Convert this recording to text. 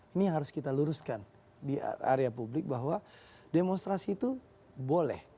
ini yang harus kita luruskan di area publik bahwa demonstrasi itu boleh